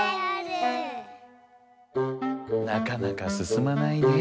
なかなかすすまないねぇ。